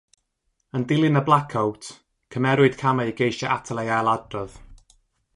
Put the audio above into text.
Yn dilyn y blacowt, cymerwyd camau i geisio atal ei ailadrodd.